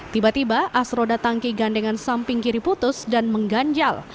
tiba tiba asroda tangki gandengan samping kiri putus dan mengganjal